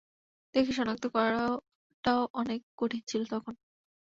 দেখে সনাক্ত করাটাও অনেক কঠিন ছিলো তখন।